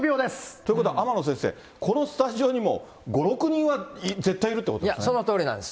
ということは、天野先生、このスタジオにも５、６人は絶対いいや、そのとおりなんです。